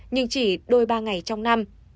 nhưng chỉ đôi ba ngày trong năm